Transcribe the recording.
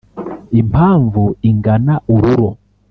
Impamvu ingana ururo